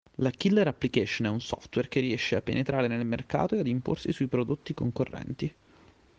La "killer application" è un software, che riesce a penetrare nel mercato e ad imporsi sui prodotti concorrenti.